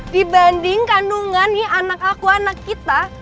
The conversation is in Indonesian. dibanding kandungan nih anak aku anak kita